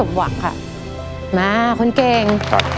มาคุณเกง